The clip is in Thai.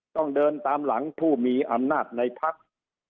ต้องเดินตามหลังผู้มีอำนาจในพัก